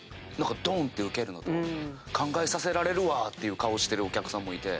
ウケるのと考えさせられるわっていう顔してるお客さんもいて。